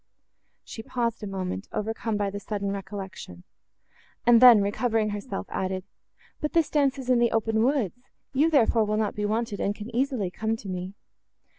She paused a moment, overcome by the sudden recollection, and then, recovering herself, added—"But this dance is in the open woods; you, therefore, will not be wanted, and can easily come to me."